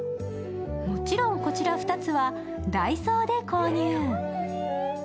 もちろん、こちら２つはダイソーで購入。